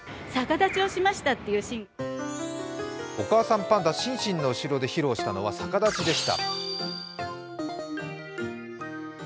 お母さんパンダ、シンシンの後ろで披露したのは逆立ちでした。